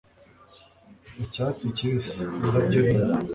icyatsi kibisi, indabyo nini